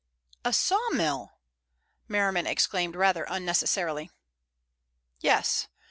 "A sawmill!" Merriman exclaimed rather unnecessarily. "Yes.